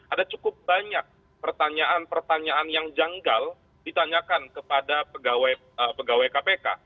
ada cukup banyak pertanyaan pertanyaan yang janggal ditanyakan kepada pegawai kpk